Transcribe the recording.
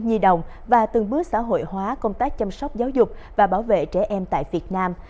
nhi đồng và từng bước xã hội hóa công tác chăm sóc giáo dục và bảo vệ trẻ em tại việt nam